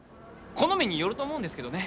好みによると思うんですけどね。